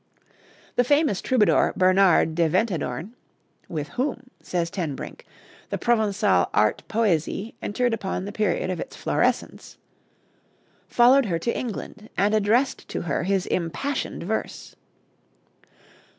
The famous troubadour Bernard de Ventadorn "with whom," says Ten Brink, "the Provençal art poesy entered upon the period of its florescence" followed her to England, and addressed to her his impassioned verse.